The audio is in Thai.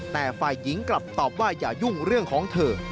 แต่ฝ่ายหญิงกลับตอบว่าอย่ายุ่งเรื่องของเธอ